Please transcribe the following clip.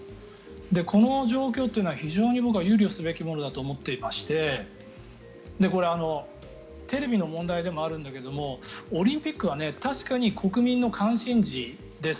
この状況というのは非常に僕は憂慮すべきものだと思っていましてこれテレビの問題でもあるんだけどオリンピックは確かに国民の関心事です。